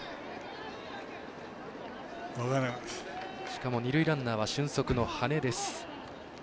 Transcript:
しかも二塁ランナーは俊足の羽根です。